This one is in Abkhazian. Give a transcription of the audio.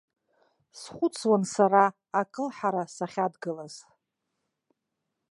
Схәыцуан сара, акылҳара сахьадгылаз.